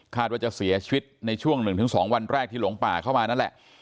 ว่าจะเสียชีวิตในช่วง๑๒วันแรกที่หลงป่าเข้ามานั่นแหละ